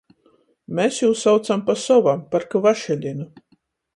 Mes jū saucam pa sovam — par Kvašelinu.